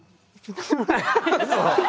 そう。